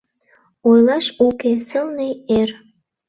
Ойлаш уке, сылне эр!